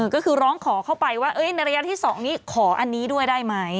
ก็คือร้องขอเข้าไปว่าในระยะที่๒นี้ขออันนี้ด้วยได้ไหม